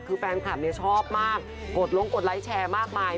คือแฟนคลับเนี่ยชอบมากกดลงกดไลค์แชร์มากมาย